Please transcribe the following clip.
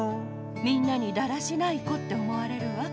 みんなにだらしない子って思われるわ。